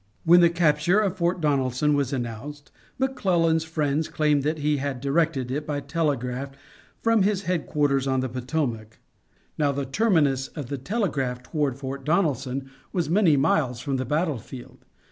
When the capture of Fort Donelson was announced, McClellan's friends claimed that he had directed it by telegraph from his headquarters on the Potomac. Now the terminus of the telegraph toward Fort Donelson was many miles from the battlefield.